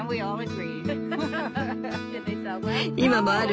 今もある？